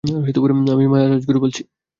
আমি মায়া রাজগুরু বলছি।